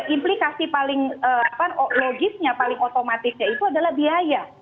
implikasi paling logisnya paling otomatisnya itu adalah biaya